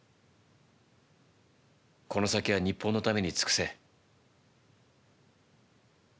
この先は日本のために尽くせ。